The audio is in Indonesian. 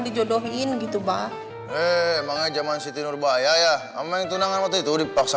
dijodohin gitu banget emangnya zaman siti nur bahaya ya ameng tunangan waktu itu dipaksa